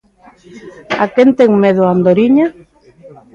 A quen ten medo a andoriña?